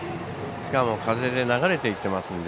しかも風で流れていってますので。